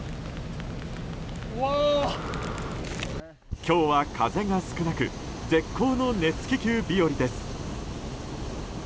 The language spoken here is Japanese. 今日は風が少なく絶好の熱気球日和です。